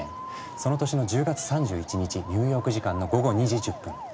その年の１０月３１日ニューヨーク時間の午後２時１０分。